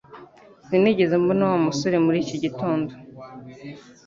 Sinigeze mbona Wa musore muri iki gitondo